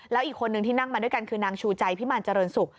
แล้วอีกคนนึงที่นั่งมาด้วยกันคือนางชูใจพิมารเจริญศุกร์